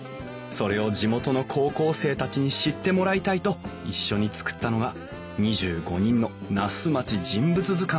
それを地元の高校生たちに知ってもらいたいと一緒に作ったのが２５人の「那須まち人物図鑑」。